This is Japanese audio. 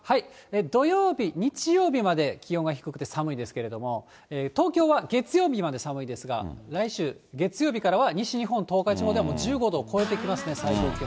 土曜日、日曜日まで気温が低くて寒いですけれども、東京は月曜日まで寒いですが、来週月曜日からは、西日本、東海地方では、もう１５度を超えてきますね、最高気温。